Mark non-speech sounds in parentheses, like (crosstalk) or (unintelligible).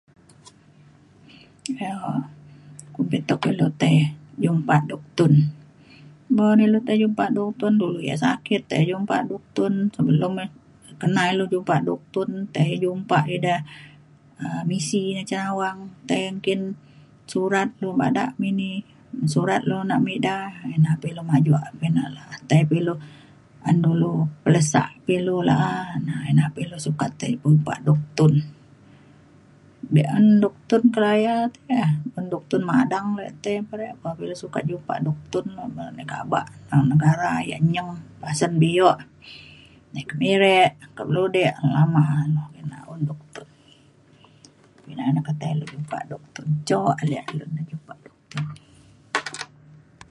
kumbin tuk ilu tai jupak duktun. buk na ilu tai jumpa duktun dulu yak sakit tai jupak duktun sebelum kena ilu jumpa duktun tai jumpa duktun tai ida um misi na cin awang tai nggin surat lu bada kini surat lu nak me ida ina pa ilu majuk pekina la’a. tai pa ilu ba’an dulu pelesak pa ilu la’a na ina ilu sukat tai jupak duktun’. be’un duktun kedaya (unintelligible) un duktun madang re te pa re pa ilu sukat jupak duktun (unintelligible) kaba negara yak nyeng pasen bio nai ke Miri ke Marudi ke lama ina un duktun. ina na ketai lu jupak duktun jok ale ale yak kelo jupak duktun.